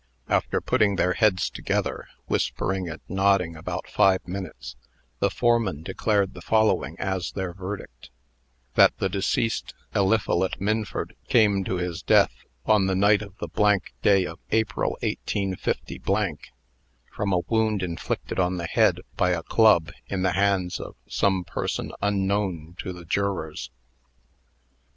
After putting their heads together, whispering and nodding about five minutes, the foreman declared the following as their verdict: "That the deceased, Eliphalet Minford, came to his death, on the night of the day of April, 185 , from a wound inflicted on the head by a club in the hands of some person unknown to the jurors."